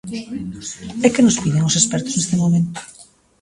E que nos piden os expertos neste momento?